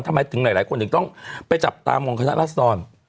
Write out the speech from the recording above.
ทำไมถึงหลายคนถึงต้องไปจับตามองคณะรัศดร